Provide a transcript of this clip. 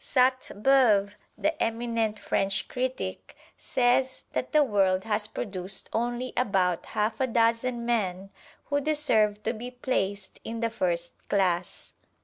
Sainte Beuve, the eminent French critic, says that the world has produced only about half a dozen men who deserve to be placed in the first class.